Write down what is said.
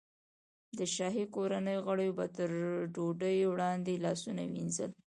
د شاهي کورنۍ غړیو به تر ډوډۍ وړاندې لاسونه وینځل.